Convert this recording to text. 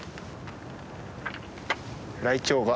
ライチョウが。